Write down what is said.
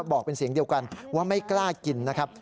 บอกเป็นเสียงเดียวกันว่าไม่กล้ากินนะครับ